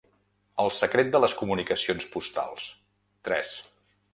El secret de les comunicacions postals; tres.